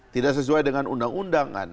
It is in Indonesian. tidak sesuai dengan undang undangan